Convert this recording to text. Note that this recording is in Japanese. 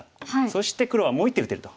そして黒はもう１手打てると。